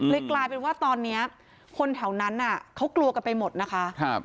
กลายเป็นว่าตอนนี้คนแถวนั้นเขากลัวกันไปหมดนะคะ